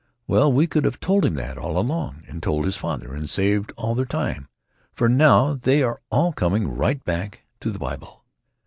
Well, we could have told him that all along, and told his father, and saved all their time, for now they are all coming right back to the Bible.